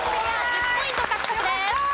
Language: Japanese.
１０ポイント獲得です。